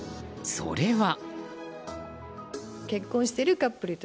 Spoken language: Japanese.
それは。